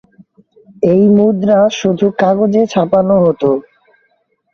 এই মুদ্রা শুধু কাগজে ছাপানো হতো।